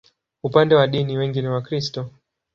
Upande wa dini, wengi ni Wakristo.